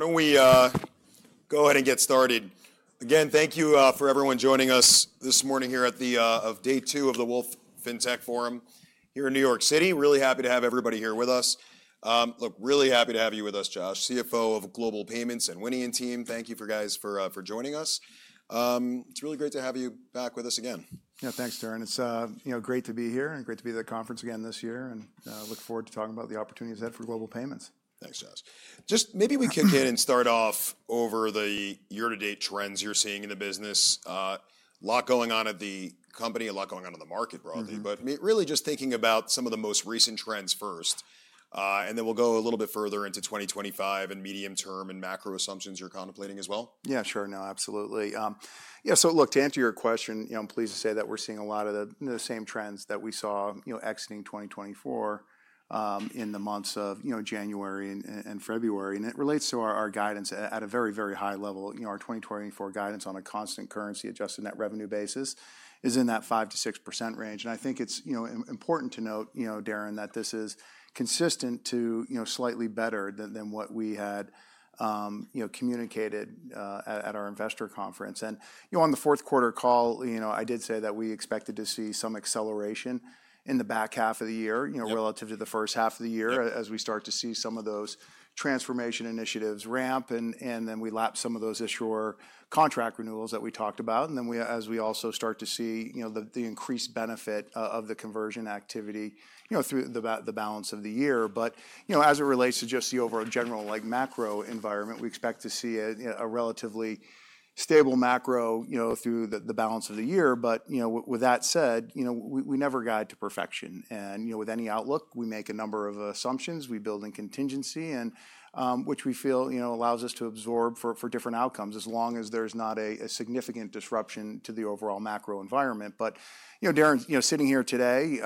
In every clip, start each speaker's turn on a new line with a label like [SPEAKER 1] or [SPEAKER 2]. [SPEAKER 1] Why don't we go ahead and get started? Again, thank you for everyone joining us this morning here at the Day 2 of the Wolfe FinTech Forum here in New York City. Really happy to have everybody here with us. Look, really happy to have you with us, Josh, CFO of Global Payments, and Winnie and team. Thank you guys for joining us. It's really great to have you back with us again.
[SPEAKER 2] Yeah, thanks, Darrin. It's great to be here and great to be at the conference again this year. I look forward to talking about the opportunities ahead for Global Payments.
[SPEAKER 1] Thanks, Josh. Just maybe we kick in and start off over the year-to-date trends you're seeing in the business. A lot going on at the company, a lot going on in the market broadly. Really just thinking about some of the most recent trends first. Then we'll go a little bit further into 2025 and medium term and macro assumptions you're contemplating as well.
[SPEAKER 2] Yeah, sure. No, absolutely. Yeah. Look, to answer your question, I'm pleased to say that we're seeing a lot of the same trends that we saw exiting 2024 in the months of January and February. It relates to our guidance at a very, very high level. Our 2024 guidance on a constant currency adjusted net revenue basis is in that 5%-6% range. I think it's important to note, Darrin, that this is consistent to slightly better than what we had communicated at our investor conference. On the fourth quarter call, I did say that we expected to see some acceleration in the back half of the year relative to the first half of the year as we start to see some of those transformation initiatives ramp. Then we lapse some of those Issuer contract renewals that we talked about. As we also start to see the increased benefit of the conversion activity through the balance of the year. As it relates to just the overall general macro environment, we expect to see a relatively stable macro through the balance of the year. With that said, we never guide to perfection. With any outlook, we make a number of assumptions. We build in contingency, which we feel allows us to absorb for different outcomes as long as there is not a significant disruption to the overall macro environment. Darrin, sitting here today,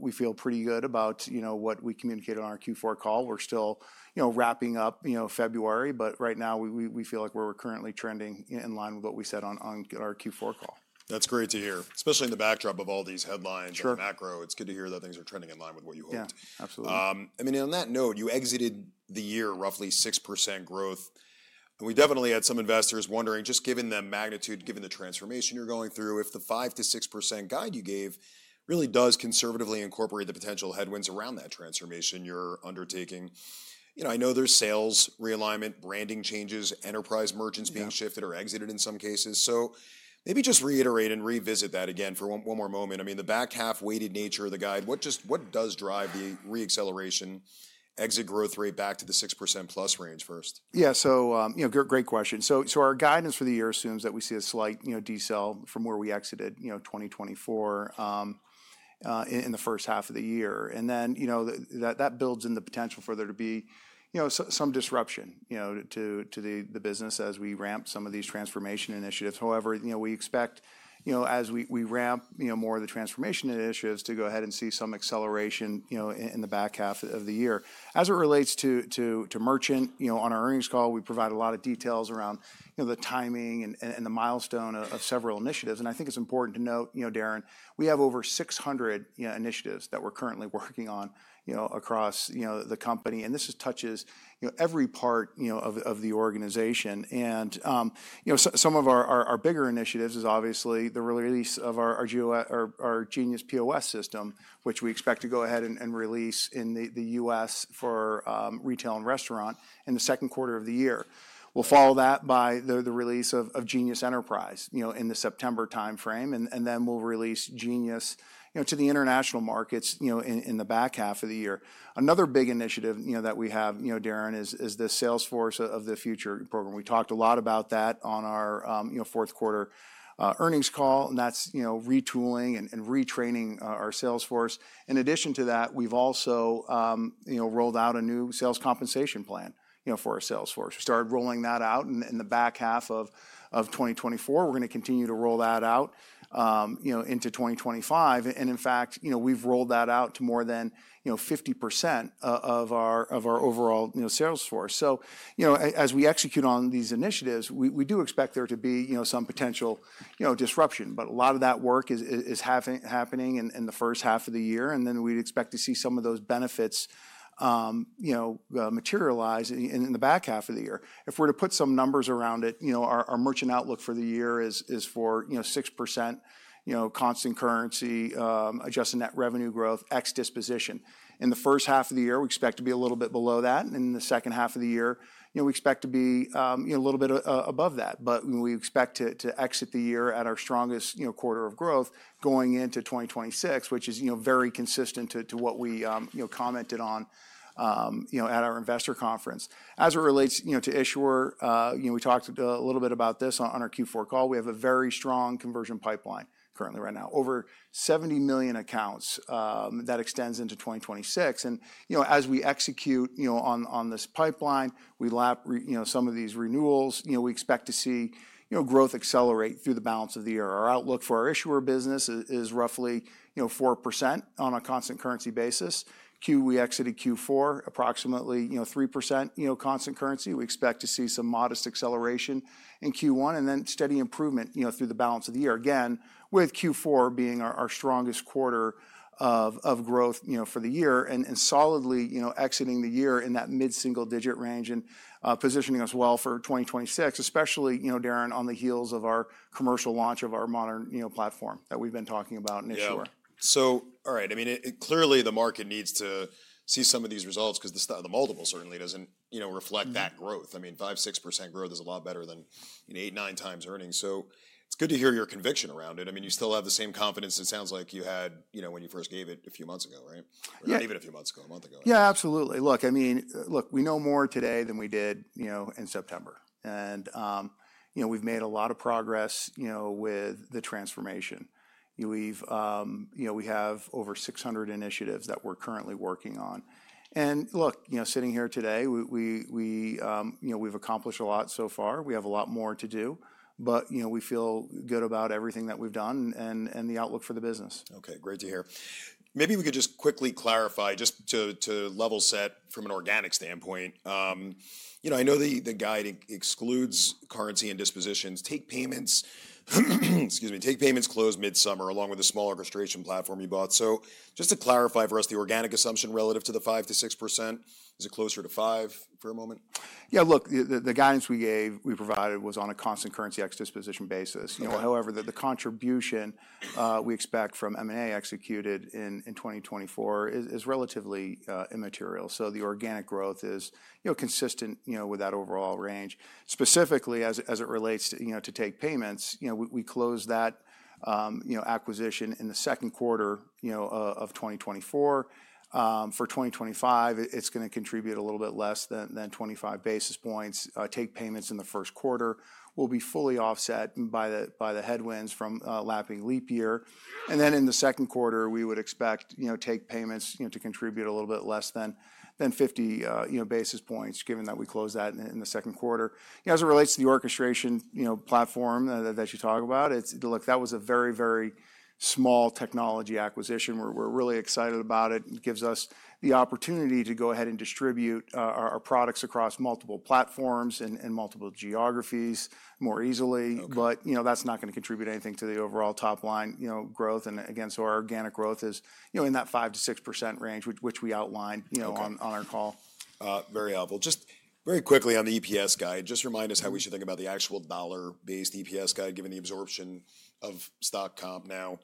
[SPEAKER 2] we feel pretty good about what we communicated on our Q4 call. We are still wrapping up February. Right now, we feel like we are currently trending in line with what we said on our Q4 call.
[SPEAKER 1] That's great to hear, especially in the backdrop of all these headlines and macro. It's good to hear that things are trending in line with what you hoped.
[SPEAKER 2] Yeah, absolutely.
[SPEAKER 1] I mean, on that note, you exited the year roughly 6% growth. We definitely had some investors wondering, just given the magnitude, given the transformation you're going through, if the 5%-6% guide you gave really does conservatively incorporate the potential headwinds around that transformation you're undertaking. I know there's sales realignment, branding changes, enterprise merchants being shifted or exited in some cases. Maybe just reiterate and revisit that again for one more moment. I mean, the back half weighted nature of the guide, what does drive the reacceleration exit growth rate back to the +6% range first?
[SPEAKER 2] Yeah, great question. Our guidance for the year assumes that we see a slight decel from where we exited 2024 in the first half of the year. That builds in the potential for there to be some disruption to the business as we ramp some of these transformation initiatives. However, we expect as we ramp more of the transformation initiatives to go ahead and see some acceleration in the back half of the year. As it relates to merchant, on our earnings call, we provide a lot of details around the timing and the milestone of several initiatives. I think it's important to note, Darrin, we have over 600 initiatives that we're currently working on across the company. This touches every part of the organization. Some of our bigger initiatives is obviously the release of our Genius POS system, which we expect to go ahead and release in the U.S. for retail and restaurant in the second quarter of the year. We will follow that by the release of Genius Enterprise in the September timeframe. We will release Genius to the international markets in the back half of the year. Another big initiative that we have, Darrin, is the Sales Force of the Future Program. We talked a lot about that on our fourth quarter earnings call. That is retooling and retraining our sales force. In addition to that, we have also rolled out a new sales compensation plan for our sales force. We started rolling that out in the back half of 2024. We are going to continue to roll that out into 2025. In fact, we've rolled that out to more than 50% of our overall sales force. As we execute on these initiatives, we do expect there to be some potential disruption. A lot of that work is happening in the first half of the year. We expect to see some of those benefits materialize in the back half of the year. If we're to put some numbers around it, our merchant outlook for the year is for 6% constant currency adjusted net revenue growth ex disposition. In the first half of the year, we expect to be a little bit below that. In the second half of the year, we expect to be a little bit above that. We expect to exit the year at our strongest quarter of growth going into 2026, which is very consistent to what we commented on at our investor conference. As it relates to Issuer, we talked a little bit about this on our Q4 call. We have a very strong conversion pipeline currently right now, over 70 million accounts that extends into 2026. As we execute on this pipeline, we lap some of these renewals. We expect to see growth accelerate through the balance of the year. Our outlook for our Issuer business is roughly 4% on a constant currency basis. Q -- we exited Q4 approximately 3% constant currency. We expect to see some modest acceleration in Q1 and then steady improvement through the balance of the year. Again, with Q4 being our strongest quarter of growth for the year and solidly exiting the year in that mid-single digit range and positioning us well for 2026, especially, Darrin, on the heels of our commercial launch of our modern platform that we've been talking about in Issuer.
[SPEAKER 1] Yeah. All right. I mean, clearly the market needs to see some of these results because the multiple certainly does not reflect that growth. I mean, 5%-6% growth is a lot better than 8%-9% times earnings. It is good to hear your conviction around it. I mean, you still have the same confidence it sounds like you had when you first gave it a few months ago, right? Or not even a few months ago, a month ago.
[SPEAKER 2] Yeah, absolutely. Look, I mean, look, we know more today than we did in September. We have made a lot of progress with the transformation. We have over 600 initiatives that we are currently working on. Look, sitting here today, we have accomplished a lot so far. We have a lot more to do. We feel good about everything that we have done and the outlook for the business.
[SPEAKER 1] Okay, great to hear. Maybe we could just quickly clarify just to level set from an organic standpoint. I know the guide excludes currency and dispositions. Takepayments, excuse me, Takepayments closed mid-summer along with a small orchestration platform you bought. So just to clarify for us, the organic assumption relative to the 5%-6%, is it closer to 5% for a moment?
[SPEAKER 2] Yeah, look, the guidance we gave, we provided was on a constant currency ex disposition basis. However, the contribution we expect from M&A executed in 2024 is relatively immaterial. So the organic growth is consistent with that overall range. Specifically, as it relates to Takepayments, we closed that acquisition in the second quarter of 2024. For 2025, it's going to contribute a little bit less than 25 basis points. Takepayments in the first quarter will be fully offset by the headwinds from lapping leap year. In the second quarter, we would expect Takepayments to contribute a little bit less than 50 basis points given that we closed that in the second quarter. As it relates to the orchestration platform that you talk about, look, that was a very, very small technology acquisition. We're really excited about it. It gives us the opportunity to go ahead and distribute our products across multiple platforms and multiple geographies more easily. That is not going to contribute anything to the overall top line growth. Again, our organic growth is in that 5%-6% range, which we outlined on our call.
[SPEAKER 1] Very helpful. Just very quickly on the EPS guide, just remind us how we should think about the actual dollar-based EPS guide given the absorption of stock comp now,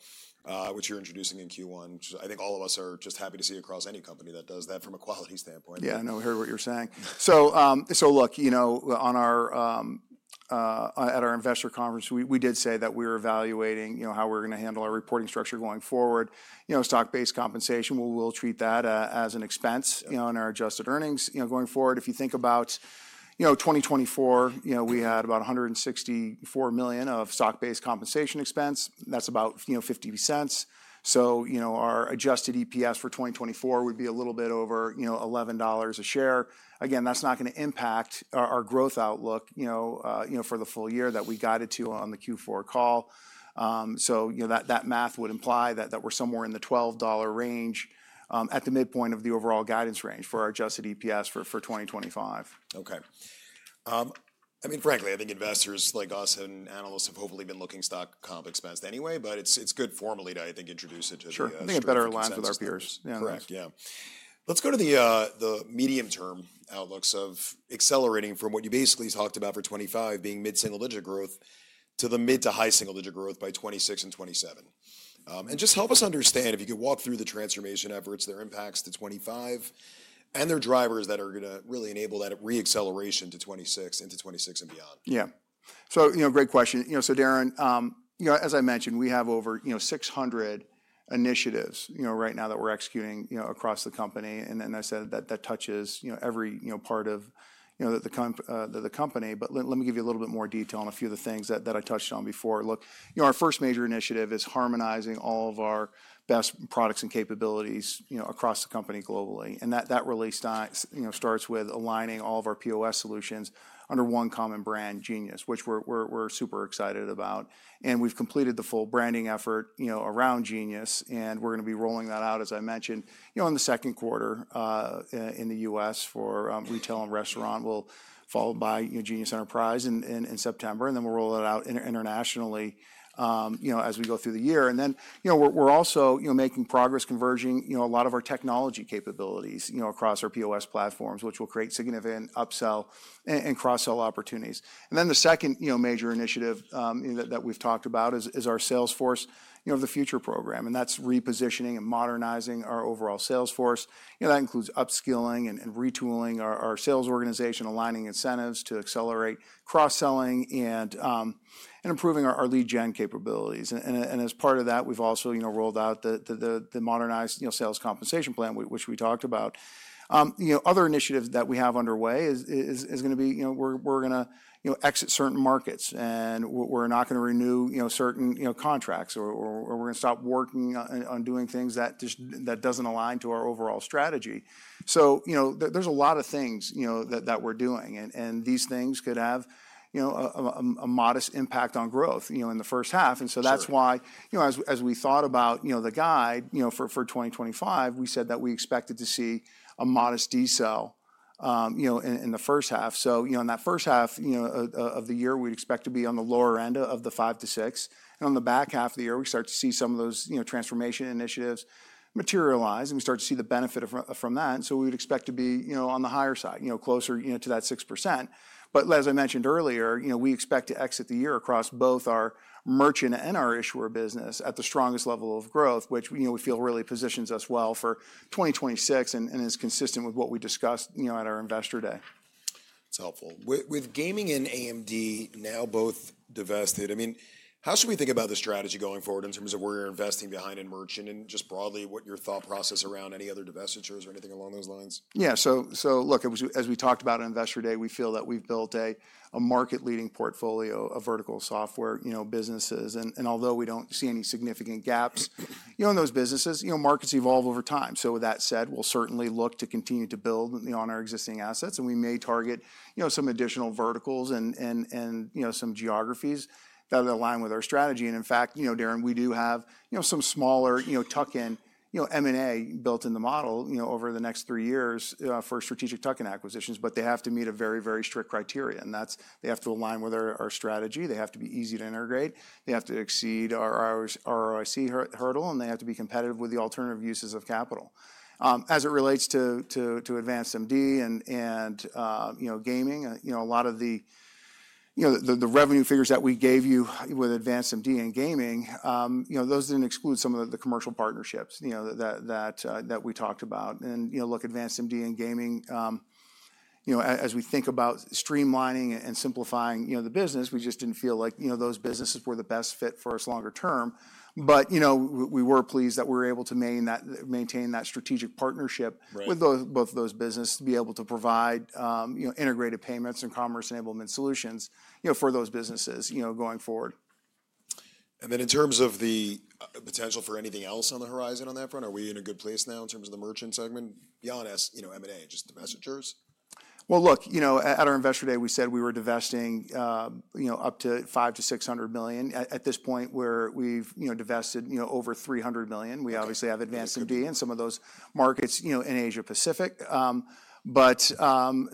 [SPEAKER 1] which you're introducing in Q1. I think all of us are just happy to see across any company that does that from a quality standpoint.
[SPEAKER 2] Yeah, I know. I heard what you're saying. Look, at our investor conference, we did say that we were evaluating how we're going to handle our reporting structure going forward. Stock-based compensation, we'll treat that as an expense in our adjusted earnings going forward. If you think about 2024, we had about $164 million of stock-based compensation expense. That's about $0.50. Our adjusted EPS for 2024 would be a little bit over $11 a share. Again, that's not going to impact our growth outlook for the full year that we guided to on the Q4 call. That math would imply that we're somewhere in the $12 range at the midpoint of the overall guidance range for our adjusted EPS for 2025.
[SPEAKER 1] Okay. I mean, frankly, I think investors like us and analysts have hopefully been looking at stock comp expense anyway. But it's good formally to, I think, introduce it to the--
[SPEAKER 2] Sure. I think it better aligns with our peers.
[SPEAKER 1] Correct. Yeah. Let's go to the medium-term outlooks of accelerating from what you basically talked about for 2025 being mid-single digit growth to the mid-to-high single-digit growth by 2026 and 2027. Just help us understand if you could walk through the transformation efforts, their impacts to 2025, and their drivers that are going to really enable that reacceleration into 2026 and beyond.
[SPEAKER 2] Yeah. Great question. Darrin, as I mentioned, we have over 600 initiatives right now that we're executing across the company. As I said, that touches every part of the company. Let me give you a little bit more detail on a few of the things that I touched on before. Look, our first major initiative is harmonizing all of our best products and capabilities across the company globally. That release starts with aligning all of our POS solutions under one common brand, Genius, which we're super excited about. We've completed the full branding effort around Genius. We're going to be rolling that out, as I mentioned, in the second quarter in the U.S. for retail and restaurant. We'll follow by Genius Enterprise in September. We'll roll it out internationally as we go through the year. We are also making progress converging a lot of our technology capabilities across our POS platforms, which will create significant upsell and cross-sell opportunities. The second major initiative that we have talked about is our Sales Force of the Future Program. That is repositioning and modernizing our overall sales force. That includes upskilling and retooling our sales organization, aligning incentives to accelerate cross-selling, and improving our lead gen capabilities. As part of that, we have also rolled out the modernized sales compensation plan, which we talked about. Other initiatives that we have underway are going to be exiting certain markets. We are not going to renew certain contracts, or we are going to stop working on doing things that do not align to our overall strategy. There are a lot of things that we are doing, and these things could have a modest impact on growth in the first half. That is why as we thought about the guide for 2025, we said that we expected to see a modest decel in the first half. In that first half of the year, we would expect to be on the lower end of the 5%-6%. In the back half of the year, we start to see some of those transformation initiatives materialize. We start to see the benefit from that. We would expect to be on the higher side, closer to that 6%. As I mentioned earlier, we expect to exit the year across both our merchant and our Issuer business at the strongest level of growth, which we feel really positions us well for 2026 and is consistent with what we discussed at our investor day.
[SPEAKER 1] That's helpful. With gaming and AMD now both divested, I mean, how should we think about the strategy going forward in terms of where you're investing behind in merchant and just broadly what your thought process around any other divestitures or anything along those lines?
[SPEAKER 2] Yeah. Look, as we talked about at Investor Day, we feel that we've built a market-leading portfolio of vertical software businesses. Although we don't see any significant gaps in those businesses, markets evolve over time. With that said, we'll certainly look to continue to build on our existing assets. We may target some additional verticals and some geographies that align with our strategy. In fact, Darrin, we do have some smaller tuck-in M&A built in the model over the next three years for strategic tuck-in acquisitions. They have to meet a very, very strict criteria. They have to align with our strategy. They have to be easy to integrate. They have to exceed our ROIC hurdle. They have to be competitive with the alternative uses of capital. As it relates to AdvancedMD and gaming, a lot of the revenue figures that we gave you with AdvancedMD and gaming, those did not exclude some of the commercial partnerships that we talked about. AdvancedMD and gaming, as we think about streamlining and simplifying the business, we just did not feel like those businesses were the best fit for us longer term. We were pleased that we were able to maintain that strategic partnership with both of those businesses to be able to provide integrated payments and commerce enablement solutions for those businesses going forward.
[SPEAKER 1] In terms of the potential for anything else on the horizon on that front, are we in a good place now in terms of the merchant segment beyond M&A and just divestitures?
[SPEAKER 2] At our Investor Day, we said we were divesting up to $500 million to $600 million. At this point, we have divested over $300 million. We obviously have AdvancedMD and some of those markets in Asia-Pacific. There are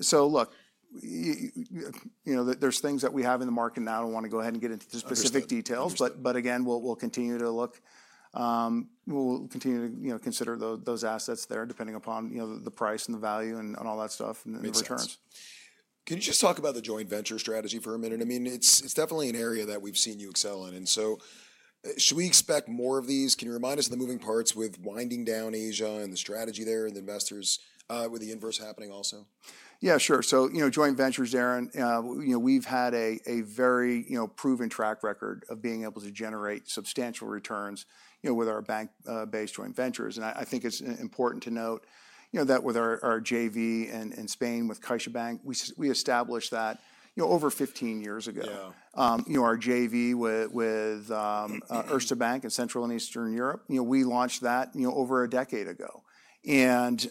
[SPEAKER 2] things that we have in the market now. I do not want to go ahead and get into specific details. Again, we will continue to look. We will continue to consider those assets there depending upon the price and the value and all that stuff and the returns.
[SPEAKER 1] Can you just talk about the joint venture strategy for a minute? I mean, it's definitely an area that we've seen you excel in. Should we expect more of these? Can you remind us of the moving parts with winding down Asia and the strategy there and the investors with the inverse happening also?
[SPEAKER 2] Yeah, sure. Joint ventures, Darrin, we've had a very proven track record of being able to generate substantial returns with our bank-based joint ventures. I think it's important to note that with our JV in Spain with CaixaBank, we established that over 15 years ago. Our JV with Erste Bank in Central and Eastern Europe, we launched that over a decade ago. These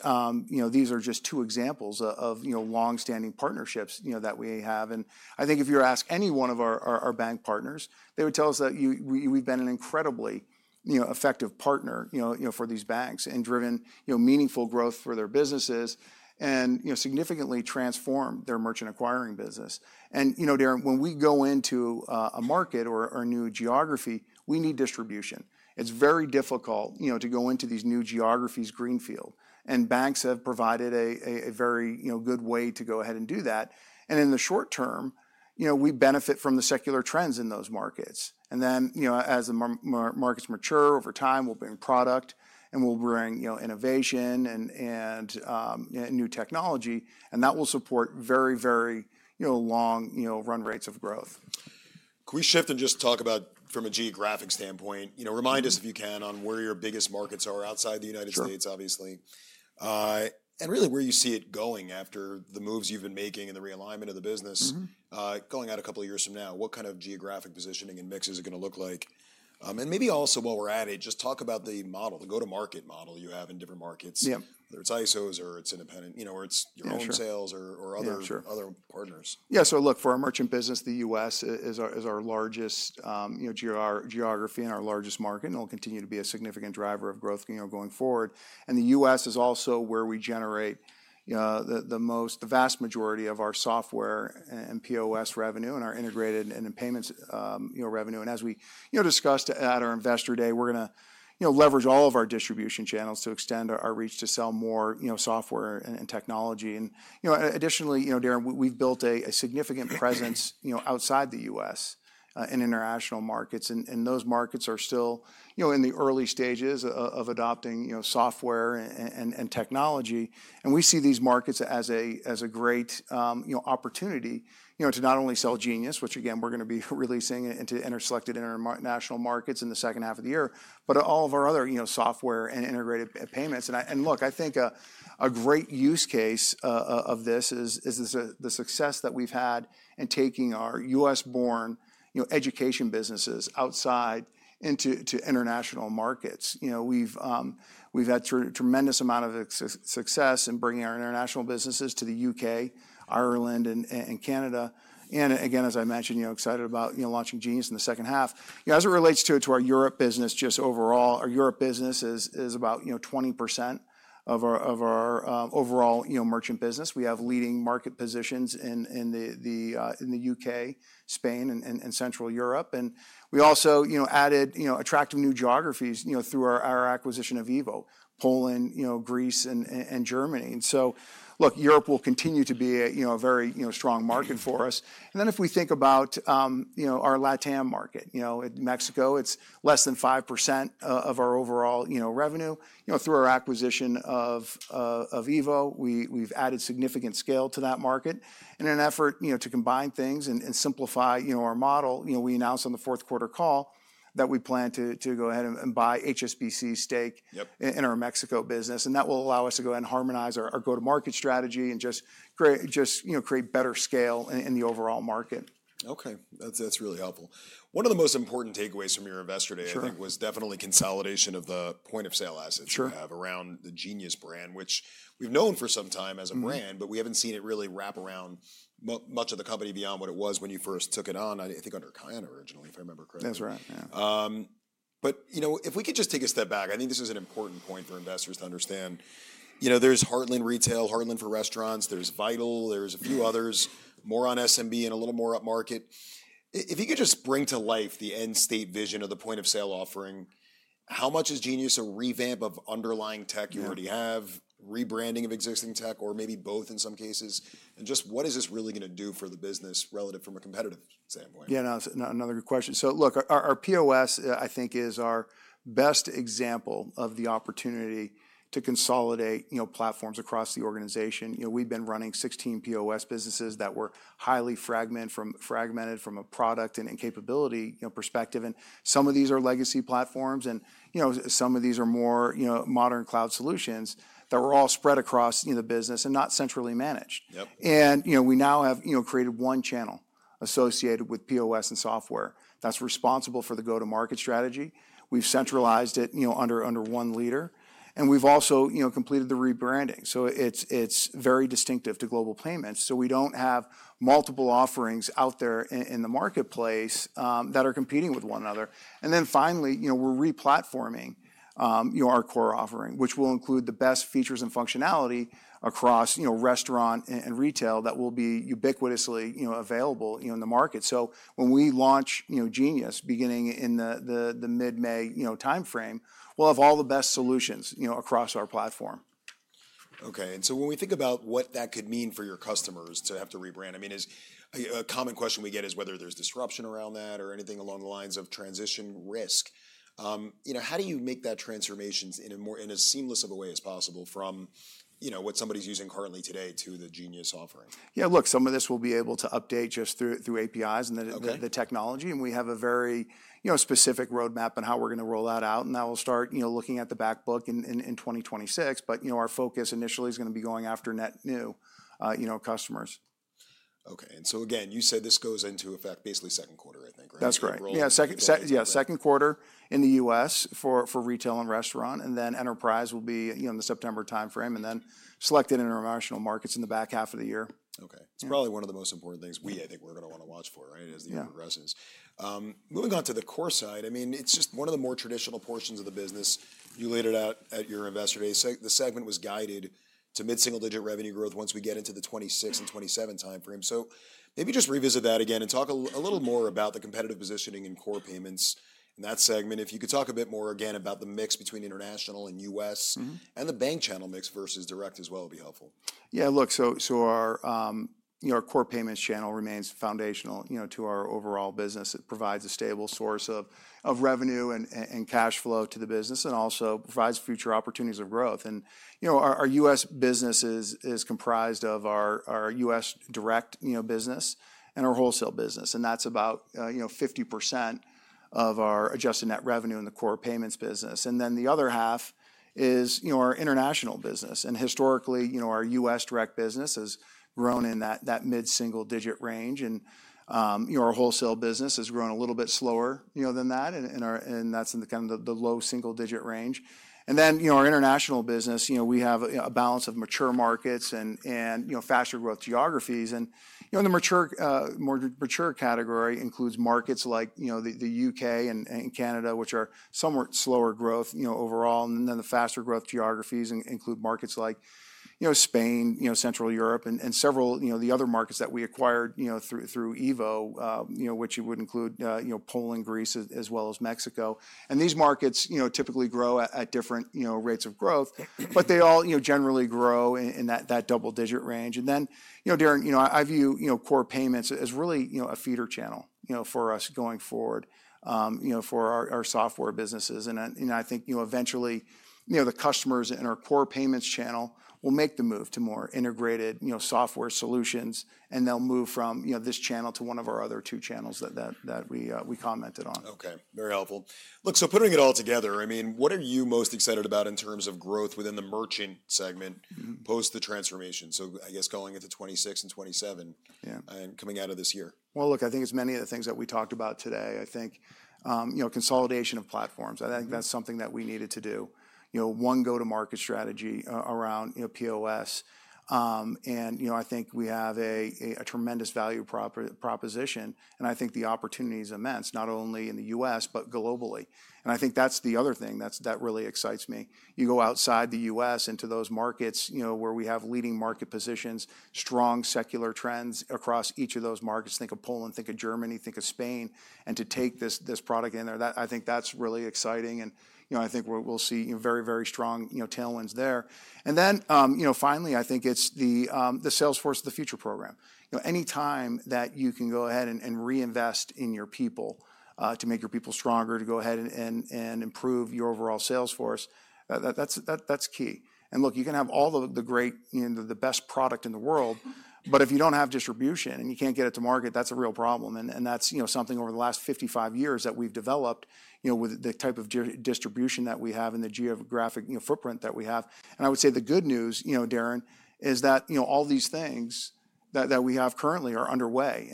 [SPEAKER 2] are just two examples of longstanding partnerships that we have. I think if you ask any one of our bank partners, they would tell us that we've been an incredibly effective partner for these banks and driven meaningful growth for their businesses and significantly transformed their merchant acquiring business. Darrin, when we go into a market or a new geography, we need distribution. It's very difficult to go into these new geographies greenfield. Banks have provided a very good way to go ahead and do that. In the short term, we benefit from the secular trends in those markets. As the markets mature over time, we will bring product and we will bring innovation and new technology. That will support very, very long run rates of growth.
[SPEAKER 1] Can we shift and just talk about from a geographic standpoint? Remind us if you can on where your biggest markets are outside the U.S., obviously. Really where you see it going after the moves you've been making and the realignment of the business going out a couple of years from now. What kind of geographic positioning and mix is it going to look like? Maybe also while we're at it, just talk about the model, the go-to-market model you have in different markets, whether it's ISOs or it's independent or it's your own sales or other partners.
[SPEAKER 2] Yeah. Look, for our merchant business, the U.S. is our largest geography and our largest market. It'll continue to be a significant driver of growth going forward. The U.S. is also where we generate the vast majority of our software and POS revenue and our integrated and payments revenue. As we discussed at our Investor Day, we're going to leverage all of our distribution channels to extend our reach to sell more software and technology. Additionally, Darrin, we've built a significant presence outside the U.S. in international markets. Those markets are still in the early stages of adopting software and technology. We see these markets as a great opportunity to not only sell Genius, which again, we're going to be releasing into selected international markets in the second half of the year, but all of our other software and integrated payments. Look, I think a great use case of this is the success that we've had in taking our U.S.-born education businesses outside into international markets. We've had a tremendous amount of success in bringing our international businesses to the U.K., Ireland, and Canada. Again, as I mentioned, excited about launching Genius in the second half. As it relates to our Europe business, just overall, our Europe business is about 20% of our overall merchant business. We have leading market positions in the U.K., Spain, and Central Europe. We also added attractive new geographies through our acquisition of EVO, Poland, Greece, and Germany. Europe will continue to be a very strong market for us. If we think about our LATAM market, Mexico, it's less than 5% of our overall revenue. Through our acquisition of EVO, we've added significant scale to that market. In an effort to combine things and simplify our model, we announced on the fourth quarter call that we plan to go ahead and buy HSBC stake in our Mexico business. That will allow us to go ahead and harmonize our go-to-market strategy and just create better scale in the overall market.
[SPEAKER 1] Okay. That's really helpful. One of the most important takeaways from your investor day, I think, was definitely consolidation of the point of sale assets you have around the Genius brand, which we've known for some time as a brand, but we haven't seen it really wrap around much of the company beyond what it was when you first took it on, I think under Cameron originally, if I remember correctly.
[SPEAKER 2] That's right. Yeah.
[SPEAKER 1] If we could just take a step back, I think this is an important point for investors to understand. There's Heartland Retail, Heartland for Restaurants. There's Vital. There's a few others, more on SMB and a little more upmarket. If you could just bring to life the end state vision of the point of sale offering, how much is Genius a revamp of underlying tech you already have, rebranding of existing tech, or maybe both in some cases? Just what is this really going to do for the business relative from a competitive standpoint?
[SPEAKER 2] Yeah. Another good question. Look, our POS, I think, is our best example of the opportunity to consolidate platforms across the organization. We've been running 16 POS businesses that were highly fragmented from a product and capability perspective. Some of these are legacy platforms, and some of these are more modern cloud solutions that were all spread across the business and not centrally managed. We now have created one channel associated with POS and software that's responsible for the go-to-market strategy. We've centralized it under one leader. We've also completed the rebranding, so it's very distinctive to Global Payments. We don't have multiple offerings out there in the marketplace that are competing with one another. Finally, we're replatforming our core offering, which will include the best features and functionality across restaurant and retail that will be ubiquitously available in the market. When we launch Genius beginning in the mid-May timeframe, we'll have all the best solutions across our platform.
[SPEAKER 1] Okay. When we think about what that could mean for your customers to have to rebrand, I mean, a common question we get is whether there's disruption around that or anything along the lines of transition risk. How do you make that transformation in as seamless of a way as possible from what somebody's using currently today to the Genius offering?
[SPEAKER 2] Yeah. Look, some of this will be able to update just through APIs and the technology. We have a very specific roadmap on how we're going to roll that out. That will start looking at the backbook in 2026. Our focus initially is going to be going after net new customers.
[SPEAKER 1] Okay. You said this goes into effect basically second quarter, I think, right?
[SPEAKER 2] That's right. Yeah. Second quarter in the U.S. for retail and restaurant. Enterprise will be in the September timeframe and then selected international markets in the back half of the year.
[SPEAKER 1] Okay. It's probably one of the most important things we, -- I think, we're going to want to watch for, right, as the year progresses. Moving on to the core side, I mean, it's just one of the more traditional portions of the business. You laid it out at your investor day. The segment was guided to mid-single-digit revenue growth once we get into the 2026 and 2027 timeframe. Maybe just revisit that again and talk a little more about the competitive positioning and core payments in that segment. If you could talk a bit more again about the mix between international and U.S. and the bank channel mix versus direct as well would be helpful.
[SPEAKER 2] Yeah. Look, our core payments channel remains foundational to our overall business. It provides a stable source of revenue and cash flow to the business and also provides future opportunities of growth. Our U.S. business is comprised of our U.S. direct business and our wholesale business. That is about 50% of our adjusted net revenue in the core payments business. The other half is our international business. Historically, our U.S. direct business has grown in that mid-single-digit range. Our wholesale business has grown a little bit slower than that. That is in kind of the low single-digit range. Our international business has a balance of mature markets and faster growth geographies. The more mature category includes markets like the U.K. and Canada, which are somewhat slower growth overall. The faster growth geographies include markets like Spain, Central Europe, and several of the other markets that we acquired through EVO, which would include Poland, Greece, as well as Mexico. These markets typically grow at different rates of growth, but they all generally grow in that double-digit range. Darrin, I view core payments as really a feeder channel for us going forward for our software businesses. I think eventually the customers in our core payments channel will make the move to more integrated software solutions, and they'll move from this channel to one of our other two channels that we commented on.
[SPEAKER 1] Okay. Very helpful. Look, so putting it all together, I mean, what are you most excited about in terms of growth within the merchant segment post the transformation? I guess going into 2026 and 2027 and coming out of this year.
[SPEAKER 2] I think it's many of the things that we talked about today. I think consolidation of platforms. I think that's something that we needed to do, one go-to-market strategy around POS. I think we have a tremendous value proposition. I think the opportunity is immense, not only in the U.S., but globally. I think that's the other thing that really excites me. You go outside the U.S. into those markets where we have leading market positions, strong secular trends across each of those markets. Think of Poland, think of Germany, think of Spain. To take this product in there, I think that's really exciting. I think we'll see very, very strong tailwinds there. Finally, I think it's the Sales Force of the Future Program. Any time that you can go ahead and reinvest in your people to make your people stronger, to go ahead and improve your overall sales force, that's key. Look, you can have all the great, the best product in the world, but if you don't have distribution and you can't get it to market, that's a real problem. That's something over the last 55 years that we've developed with the type of distribution that we have and the geographic footprint that we have. I would say the good news, Darrin, is that all these things that we have currently are underway.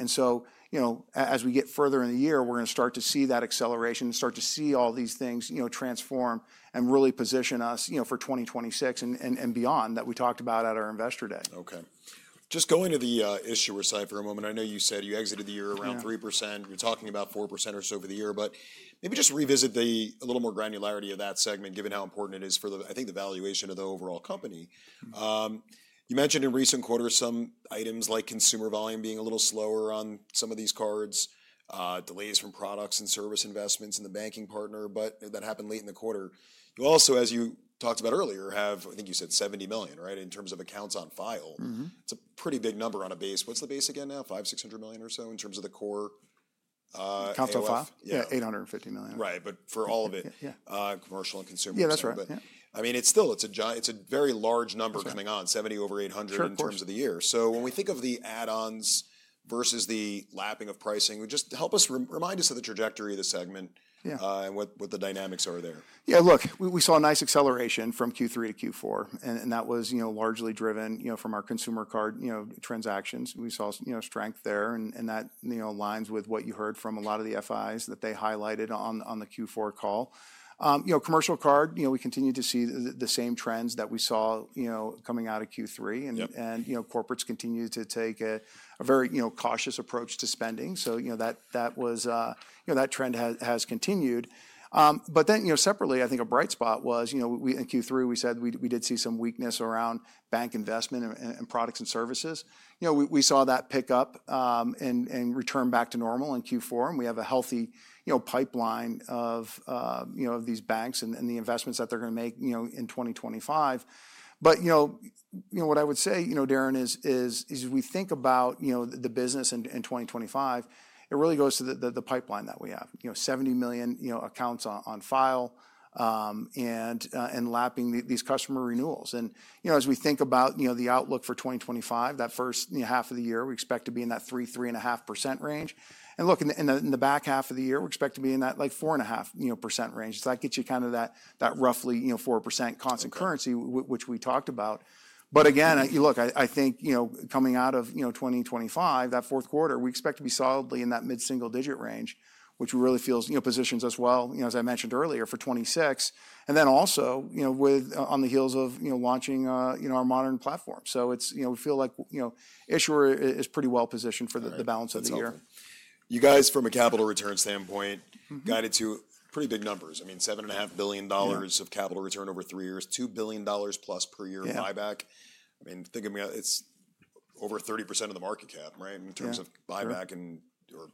[SPEAKER 2] As we get further in the year, we're going to start to see that acceleration and start to see all these things transform and really position us for 2026 and beyond that we talked about at our Investor Day.
[SPEAKER 1] Okay. Just going to the Issuer side for a moment, I know you said you exited the year around 3%. You're talking about 4% or so over the year. Maybe just revisit with a little more granularity of that segment, given how important it is for, I think, the valuation of the overall company. You mentioned in recent quarters, some items like consumer volume being a little slower on some of these cards, delays from products and service investments in the banking partner. That happened late in the quarter. You also, as you talked about earlier, have, I think you said 70 million, right, in terms of accounts on file. It's a pretty big number on a base. What's the base again now? $500 million, $600 million or so in terms of the core?
[SPEAKER 2] Accounts on file? Yeah, $850 million.
[SPEAKER 1] Right. For all of it, commercial and consumer.
[SPEAKER 2] Yeah, that's right.
[SPEAKER 1] I mean, it's still, it's a very large number coming on, 70 million over $800 million in terms of the year. When we think of the add-ons versus the lapping of pricing, just help us remind us of the trajectory of the segment and what the dynamics are there.
[SPEAKER 2] Yeah. Look, we saw a nice acceleration from Q3 to Q4. That was largely driven from our consumer card transactions. We saw strength there. That aligns with what you heard from a lot of the FIs that they highlighted on the Q4 call. Commercial card, we continue to see the same trends that we saw coming out of Q3. Corporates continue to take a very cautious approach to spending. That trend has continued. Separately, I think a bright spot was in Q3, we said we did see some weakness around bank investment and products and services. We saw that pick up and return back to normal in Q4. We have a healthy pipeline of these banks and the investments that they're going to make in 2025. What I would say, Darrin, is if we think about the business in 2025, it really goes to the pipeline that we have, 70 million accounts on file and lapping these customer renewals. As we think about the outlook for 2025, that first half of the year, we expect to be in that 3%-3.5% range. Look, in the back half of the year, we expect to be in that 4.5% range. That gets you kind of that roughly 4% constant currency, which we talked about. Again, I think coming out of 2025, that fourth quarter, we expect to be solidly in that mid-single-digit range, which really feels positions us well, as I mentioned earlier, for 2026. Also on the heels of launching our modern platform. We feel like Issuer is pretty well positioned for the balance of the year.
[SPEAKER 1] You guys, from a capital return standpoint, guided to pretty big numbers. I mean, $7.5 billion of capital return over three years, $2 billion plus per year buyback. I mean, think of it, it's over 30% of the market cap, right, in terms of buyback and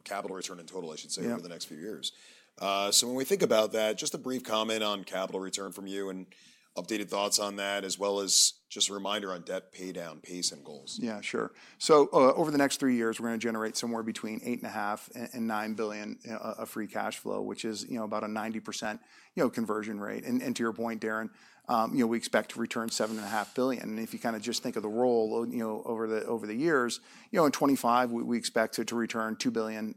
[SPEAKER 1] capital return in total, I should say, over the next few years. When we think about that, just a brief comment on capital return from you and updated thoughts on that, as well as just a reminder on debt paydown pace and goals.
[SPEAKER 2] Yeah, sure. Over the next three years, we're going to generate somewhere between $8.5 billion-$9 billion of free cash flow, which is about a 90% conversion rate. To your point, Darrin, we expect to return $7.5 billion. If you kind of just think of the role over the years, in 2025, we expect to return $2 billion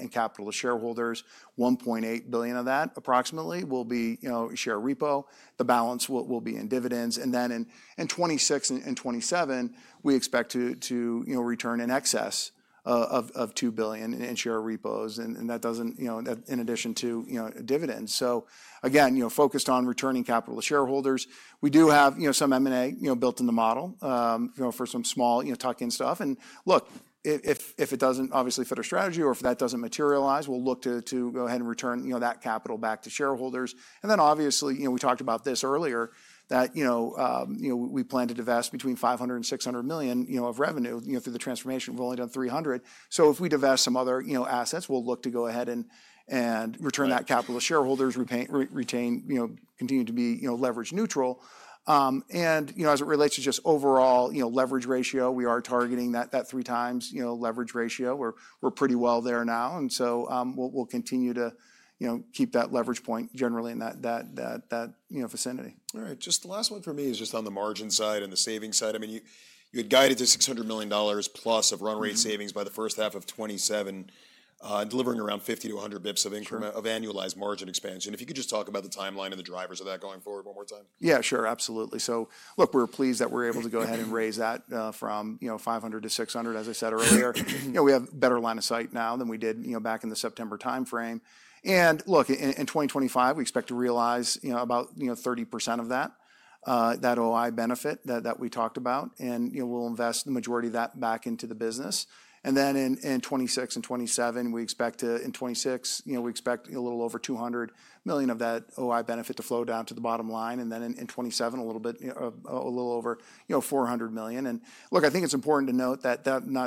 [SPEAKER 2] in capital to shareholders. $1.8 billion of that approximately will be share repo. The balance will be in dividends. In 2026 and 2027, we expect to return in excess of $2 billion in share repos. That is in addition to dividends. Again, focused on returning capital to shareholders. We do have some M&A built in the model for some small tuck-in stuff. If it does not obviously fit our strategy or if that does not materialize, we will look to go ahead and return that capital back to shareholders. Obviously, we talked about this earlier, that we plan to divest between $500 million and $600 million of revenue through the transformation. We have only done $300 million. If we divest some other assets, we will look to go ahead and return that capital to shareholders, retain, continue to be leverage neutral. As it relates to just overall leverage ratio, we are targeting that 3x leverage ratio. We are pretty well there now. We will continue to keep that leverage point generally in that vicinity.
[SPEAKER 1] All right. Just the last one for me is just on the margin side and the savings side. I mean, you had guided to $600 million plus of run rate savings by the first half of 2027, delivering around 50 to 100 basis points of annualized margin expansion. If you could just talk about the timeline and the drivers of that going forward one more time.
[SPEAKER 2] Yeah, sure. Absolutely. Look, we're pleased that we're able to go ahead and raise that from $500 million to $600 million, as I said earlier. We have a better line of sight now than we did back in the September timeframe. In 2025, we expect to realize about 30% of that OI benefit that we talked about. We'll invest the majority of that back into the business. In 2026, we expect a little over $200 million of that OI benefit to flow down to the bottom line. In 2027, a little bit over $400 million. I think it's important to note that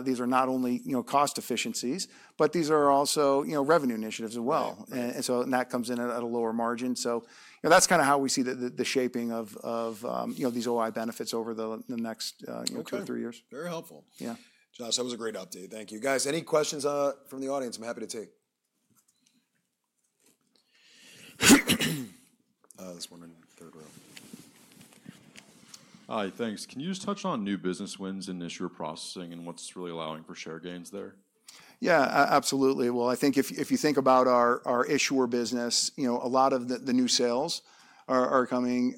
[SPEAKER 2] these are not only cost efficiencies, but these are also revenue initiatives as well. That comes in at a lower margin. That's kind of how we see the shaping of these OI benefits over the next two to three years.
[SPEAKER 1] Okay. Very helpful.
[SPEAKER 2] Yeah.
[SPEAKER 1] Josh, that was a great update. Thank you. Guys, any questions from the audience? I'm happy to take this one in the third row. Hi, thanks. Can you just touch on new business wins in Issuer processing and what's really allowing for share gains there?
[SPEAKER 2] Yeah, absolutely. I think if you think about our Issuer business, a lot of the new sales are coming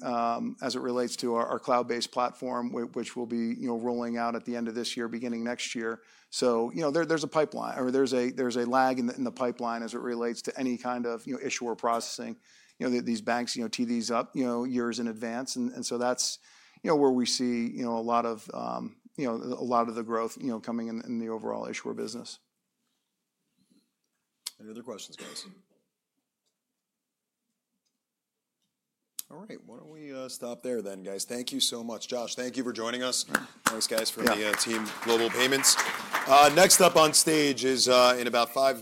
[SPEAKER 2] as it relates to our cloud-based platform, which will be rolling out at the end of this year, beginning next year. There is a pipeline or there is a lag in the pipeline as it relates to any kind of Issuer processing. These banks tee these up years in advance. That is where we see a lot of the growth coming in the overall Issuer business.
[SPEAKER 1] Any other questions, guys? All right. Why don't we stop there then, guys? Thank you so much. Josh, thank you for joining us. Thanks, guys, from the team Global Payments. Next up on stage is in about five--